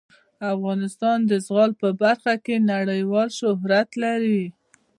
افغانستان د زغال په برخه کې نړیوال شهرت لري.